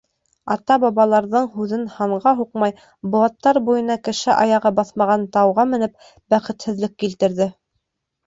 Ата-бабаларҙың һүҙен һанға һуҡмай, быуаттар буйына кеше аяғы баҫмаған тауға менеп, бәхетһеҙлек килтерҙе!